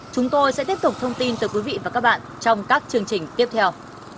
chúng tôi sẽ tiếp tục thông tin từ quý vị và các bạn trong các chương trình tiếp theo